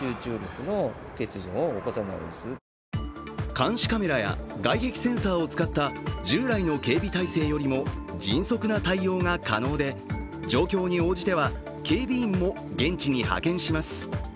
監視カメラや外壁センサーを使った従来の警備体制よりも迅速な対応が可能で、状況に応じては警備員も現地に派遣します。